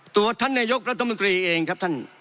ตัวท่านนายกรัฐมนตรีเองครับท่าน